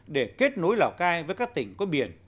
để kết nối lào cai với các tỉnh có biển